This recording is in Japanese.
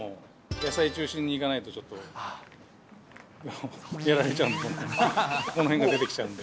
野菜中心にいかないとちょっと、やられちゃうんで。